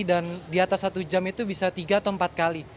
dan di atas satu jam itu bisa tiga atau empat kali